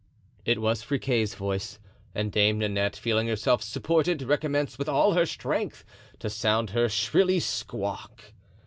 It was Friquet's voice; and Dame Nanette, feeling herself supported, recommenced with all her strength to sound her shrilly squawk.